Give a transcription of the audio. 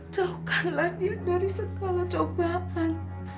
jauhkanlah dia dari segala cobaan